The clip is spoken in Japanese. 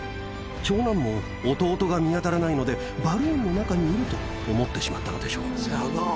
長男も弟が見当たらないのでバルーンの中にいると思ってしまったのでしょう。